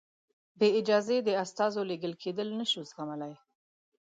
بې اجازې د استازو لېږل کېدل نه شو زغملای.